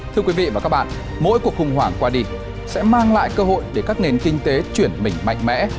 thưa quý vị và các bạn mỗi cuộc khủng hoảng qua đi sẽ mang lại cơ hội để các nền kinh tế chuyển mình mạnh mẽ